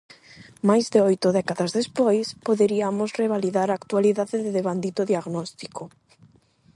Máis de oito décadas despois, poderiamos revalidar a actualidade de devandito diagnóstico.